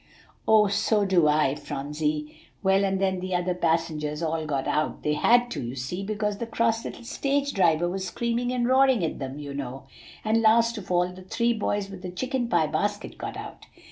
"So do I, Phronsie. Well, and then the other passengers all got out; they had to, you see, because the cross little stage driver was screaming and roaring at them, you know, and last of all the three boys with the chicken pie basket got out.